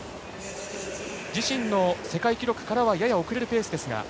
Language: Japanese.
自身の世界記録からはやや遅れるペースですが。